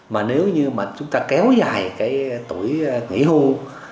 mà nếu như chúng ta kéo dài tuổi nghỉ hưu